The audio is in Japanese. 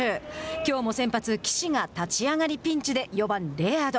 きょうも先発岸が立ち上がりピンチで４番レアード。